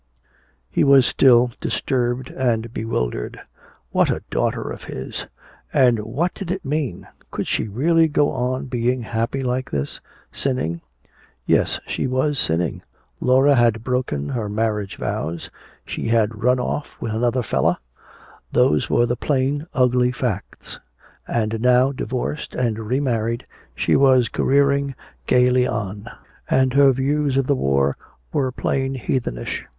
He was still disturbed and bewildered. What a daughter of his! And what did it mean? Could she really go on being happy like this? Sinning? Yes, she was sinning! Laura had broken her marriage vows, she had "run off with another fellah." Those were the plain ugly facts. And now, divorced and re married, she was careering gayly on! And her views of the war were plain heathenish!